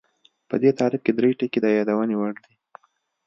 په دې تعریف کې درې ټکي د یادونې وړ دي